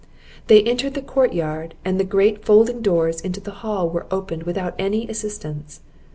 They entered the court yard, and the great folding doors into the hall were opened without any assistance.